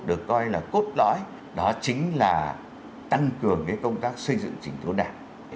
được coi là cốt lõi đó chính là tăng cường công tác xây dựng chỉnh đốn đảng